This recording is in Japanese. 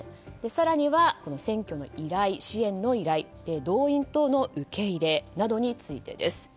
更には、選挙の支援の依頼動員等の受け入れなどについてです。